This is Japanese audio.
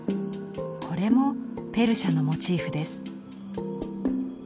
これもペルシャのモチーフです。